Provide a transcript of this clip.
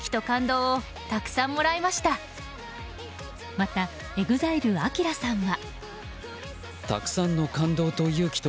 また、ＥＸＩＬＥＡＫＩＲＡさんは。